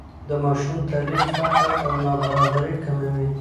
د ماشوم تعلیم فقر او نابرابري کموي.